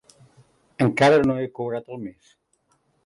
Encara no he cobrat el mes.